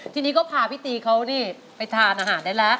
ทีนี้ก็พาพี่ตีเขานี่ไปทานอาหารได้แล้ว